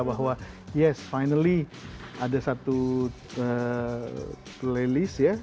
bahwa yes finally ada satu laylist ya